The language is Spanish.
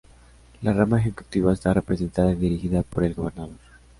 La Rama Ejecutiva está representada y dirigida por el Gobernador.